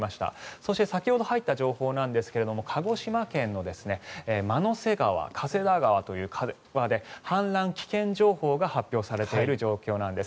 そして先ほど入った情報なんですが鹿児島県の万之瀬川加世田川という川で氾濫危険水位が発表されている状況なんです。